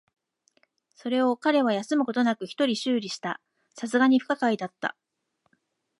それを彼は休むことなく一人修理した。流石に不可解だった。